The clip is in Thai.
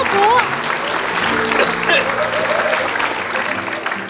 เฮ้ยขอ